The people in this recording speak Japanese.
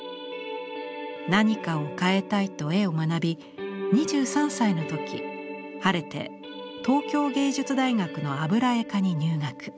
何かを変えたいと絵を学び２３歳の時晴れて東京藝術大学の油絵科に入学。